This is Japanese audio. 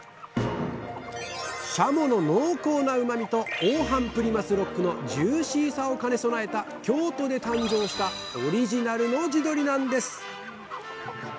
シャモの濃厚なうまみと横斑プリマスロックのジューシーさを兼ね備えた京都で誕生したオリジナルの地鶏なんです。